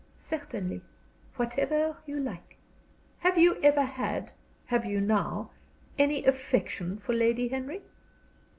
"Certainly. Whatever you like." "Have you ever had, have you now, any affection for Lady Henry?"